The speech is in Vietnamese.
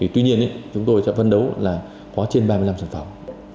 tuy nhiên chúng tôi vẫn đấu là có trên ba mươi năm sản phẩm